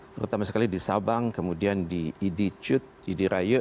terutama sekali di sabang kemudian di idijut idiraya